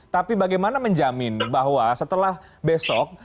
tapi bagaimana menjamin bahwa setelah besok